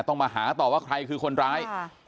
ต้องมาหาต่อว่าใครคือคนร้าย